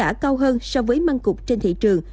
giá cả cao hơn so với mang cục trên thị trường